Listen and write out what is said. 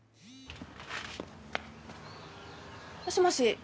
もしもし？